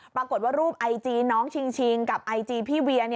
ปรากฏว่ารูปไอจีน้องชิงกับไอจีพี่เวีย